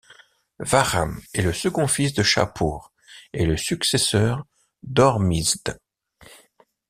Vahram est le second fils de Shapur et le successeur d’Hormizd.